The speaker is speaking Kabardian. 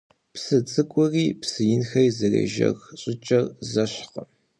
Псы цӀыкӀури псы инхэри зэрежэх щӀыкӀэр зэщхькъым.